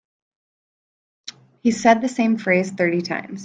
He said the same phrase thirty times.